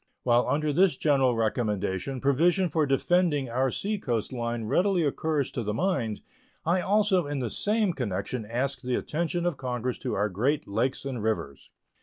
While under this general recommendation provision for defending our seacoast line readily occurs to the mind, I also in the same connection ask the attention of Congress to our great lakes and rivers.